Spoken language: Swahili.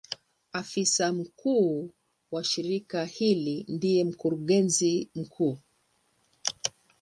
Afisa mkuu wa shirika hili ndiye Mkurugenzi mkuu.